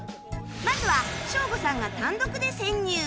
まずはショーゴさんが単独で潜入